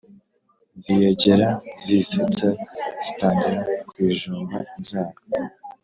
ziyegera zisetsa zitangira kuyijomba inzara.